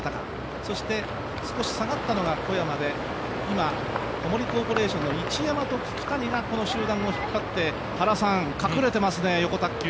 そして少し下がったのが小山で、今小森コーポレーションの市山と聞谷がこの集団を引っ張って隠れてますね、よこたっきゅう。